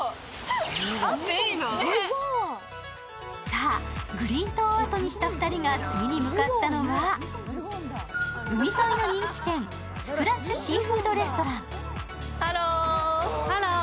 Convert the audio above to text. さあグリーン島をあとにした２人が次に向かったのは海沿いの人気店スプラッシュ・シーフードレストラン。